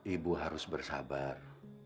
ibu harus bersabar